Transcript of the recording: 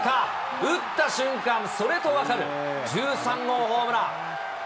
打った瞬間、それと分かる１３号ホームラン。